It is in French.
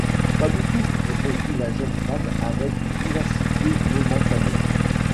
Pas du tout, répondit la jeune femme avec une vivacité momentanée.